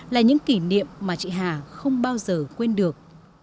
là những kỷ niệm mà chị hà không bao giờ quên được